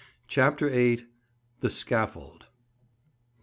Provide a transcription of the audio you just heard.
CHAPTER VIII. THE SCAFFOLD.